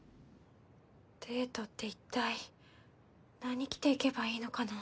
デートって一体何着ていけばいいのかな。